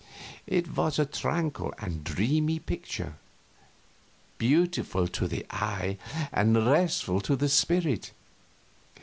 It was a tranquil and dreamy picture, beautiful to the eye and restful to the spirit.